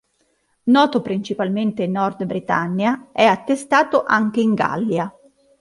Noto principalmente in nord Britannia, è attestato anche in Gallia.